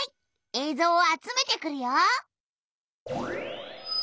えいぞうを集めてくるよ。